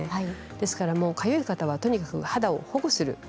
ですからかゆい方はとにかく肌を保護する。